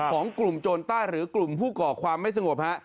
ของกลุ่มโจรใต้หรือกลุ่มผู้ก่อความไม่สงบฮะ